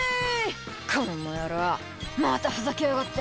「この野郎またふざけやがって」